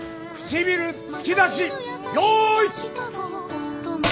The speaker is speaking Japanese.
唇突き出し用意！